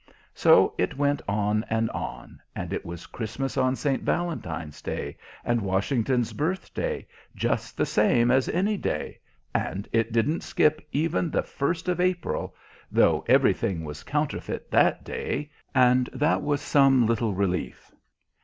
So it went on and on, and it was Christmas on St. Valentine's Day and Washington's Birthday, just the same as any day, and it didn't skip even the First of April, though everything was counterfeit that day, and that was some little relief.